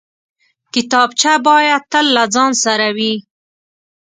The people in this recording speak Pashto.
کتابچه باید تل له ځان سره وي